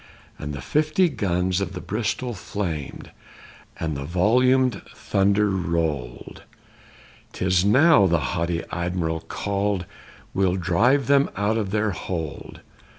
_ And the fifty guns of the Bristol flamed, and the volumed thunder rolled; 'Tis now, the haughty Admiral cried, we'll drive them out of their hold!